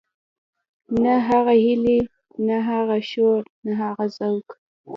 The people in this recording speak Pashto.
نه هغه هيلې نه هغه شور نه هغه ذوق.